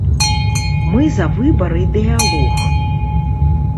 Мы за выбар і дыялог.